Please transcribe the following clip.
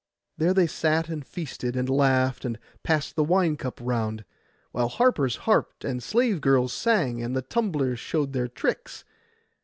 There they sat and feasted, and laughed, and passed the wine cup round; while harpers harped, and slave girls sang, and the tumblers showed their tricks.